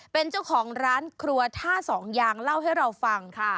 เป็นเจ้าของร้านครัวท่าสองยางเล่าให้เราฟังค่ะ